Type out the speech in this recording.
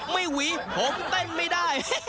หวีผมเต้นไม่ได้